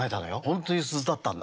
本当に「鈴」だったんだ。